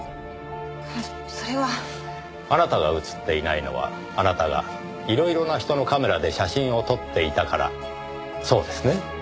それは。あなたが写っていないのはあなたがいろいろな人のカメラで写真を撮っていたからそうですね？